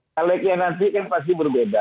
hal hal yang nanti kan pasti berbeda